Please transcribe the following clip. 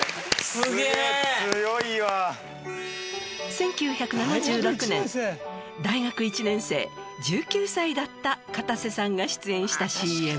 １９７６年大学１年生１９歳だったかたせさんが出演したＣＭ。